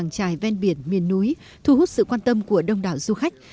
trải ven biển miền núi thu hút sự quan tâm của đông đảo du khách